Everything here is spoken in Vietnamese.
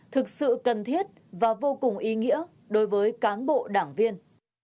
thực sự cần thiết và vô cùng ý nghĩa đối với cán bộ đảng viên